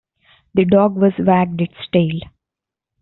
The dog was wagged its tail.